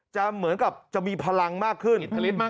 จะเหมือนกับจะมีพลังมากขึ้น